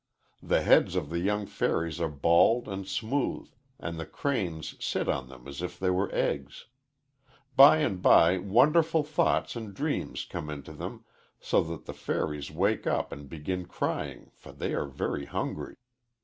The heads of the young fairies are bald and smooth and the cranes sit on them as if they were eggs. By and by wonderful thoughts and dreams come into them so that the fairies wake up and begin crying for they are very hungry.